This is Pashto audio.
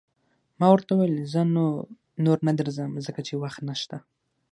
ما ورته وویل: زه نو، نور در نه ځم، ځکه چې وخت نشته.